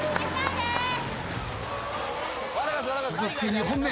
続く２本目。